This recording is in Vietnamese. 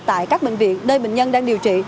tại các bệnh viện nơi bệnh nhân đang điều trị